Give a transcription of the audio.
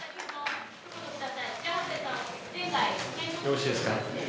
よろしいですか。